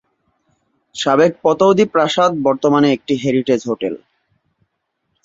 সাবেক পতৌদি প্রাসাদ বর্তমানে একটি হেরিটেজ হোটেল।